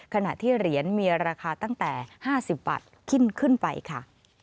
ขณะที่เหรียญมีราคาตั้งแต่๕๐บาทขึ้นไปค่ะ